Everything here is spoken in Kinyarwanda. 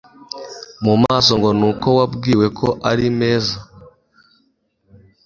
mu maso ngo nuko wabwiwe ko ari meza.